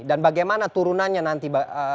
dan bagaimana turunannya nanti